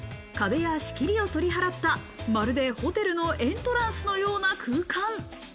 壁や仕切りを取り払った、まるでホテルのエントランスのような空間。